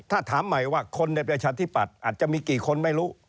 ถ้าถามใหม่ว่าคนในประชาธิปัตย์อาจจะมีกี่คนไม่รู้